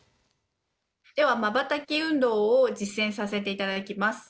では、まばたき運動を実践させていただきます。